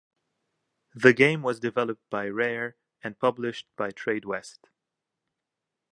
The game was developed by Rare and published by Tradewest.